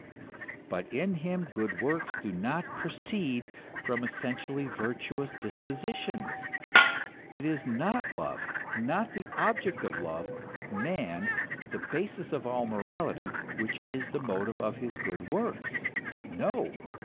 But in him good works do not proceed from essentially virtuous dispositions. It is not love, not the object of love, man, the basis of all morality, which is the motive of his good works. No